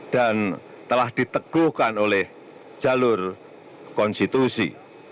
dan telah diteguhkan oleh jalur konstitusi